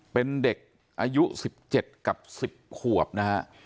เป็นเด็กอายุสิบเจ็ดกับสิบขวบนะฮะ